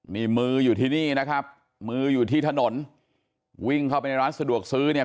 นี่มืออยู่ที่นี่นะครับมืออยู่ที่ถนนวิ่งเข้าไปในร้านสะดวกซื้อเนี่ย